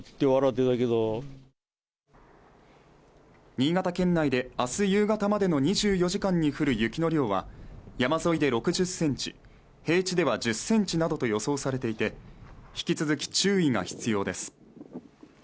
新潟県内で明日夕方までの２４時間で降る雪は山沿いで６０ｃｍ、平地では１０ｃｍなどと予想されていて、引き続き注意が必要です。